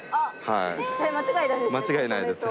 絶対間違いないですね。